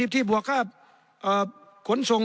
๗๐พอบวกข้าคนส่ง